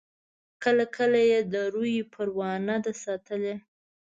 کله کله یې د روي پروا نه ده ساتلې.